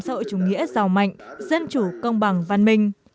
xã hội chủ nghĩa giàu mạnh dân chủ công bằng văn minh